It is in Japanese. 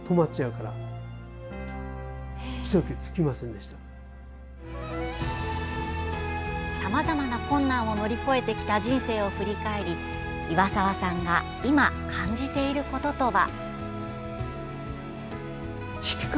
でそこでさまざまな困難を乗り越えてきた人生を振り返り岩沢さんが今、感じていることとは。